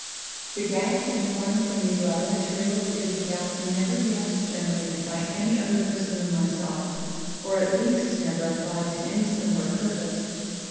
The gas to be formed from these latter materials is a gas never yet generated by any other person than myself—or at least never applied to any similar purpose.